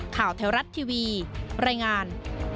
แถวรัฐทีวีรายงาน